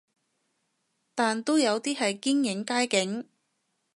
但都有啲係堅影街景